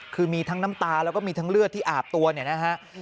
คือมีทั้งน้ำตาแล้วก็มีทั้งเลือดที่อาบตัวเนี่ยนะฮะ